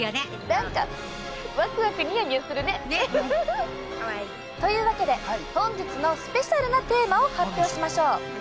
なんかワクワクニヤニヤするね。というわけで本日のスペシャルなテーマを発表しましょう！